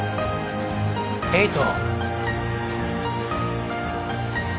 エイト。